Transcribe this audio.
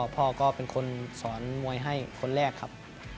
พ่อก็เป็นคนสอนมวยให้คนแรกครับ